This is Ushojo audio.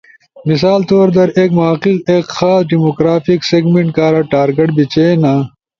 مثال طور در ایک محقق ایک خاص ڈیموگرافک سیگمنٹ کارا ٹارگٹ بیچینا۔